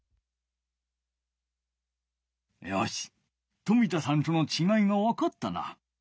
よし冨田さんとのちがいがわかったな。